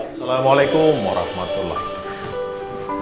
assalamualaikum warahmatullahi wabarakatuh